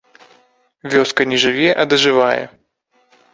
Вёска не жыве, а дажывае.